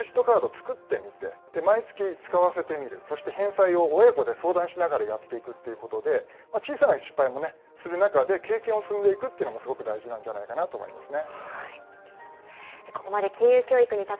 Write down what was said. あと家庭でも、クレジットカード使っちゃだめというふうに言うんじゃなくて、クレジットカード作ってみて、毎月使わせてみる、そして返済を親子で相談しながらやっていくっていうことで、小さな失敗もね、する中で経験を積んでいくというのもすごく大事なんじゃないかなと思いますね。